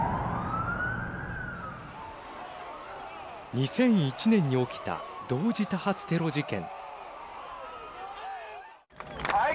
２００１年に起きた同時多発テロ事件。